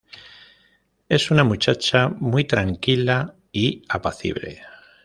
Es una muchacha muy tranquila y apacible.